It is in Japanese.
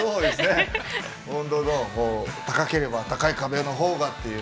「高ければ高い壁のほうが」って。